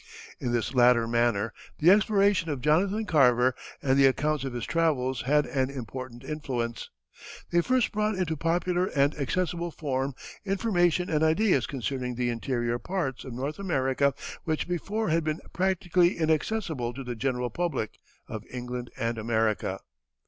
In this latter manner the exploration of Jonathan Carver and the accounts of his travels had an important influence. They first brought into popular and accessible form information and ideas concerning the interior parts of North America which before had been practically inaccessible to the general public of England and America.